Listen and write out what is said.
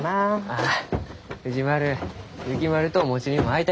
ああ藤丸雪丸とおもちにも会いたいがやろ？